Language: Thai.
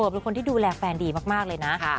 เป็นคนที่ดูแลแฟนดีมากเลยนะ